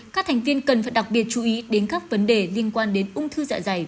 các thành viên cần phải đặc biệt chú ý đến các vấn đề liên quan đến ung thư dạ dày